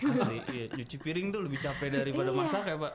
asli nyuci piring tuh lebih capek daripada masak ya mbak